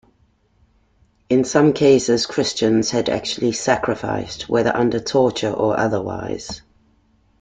In some cases Christians had actually sacrificed, whether under torture or otherwise.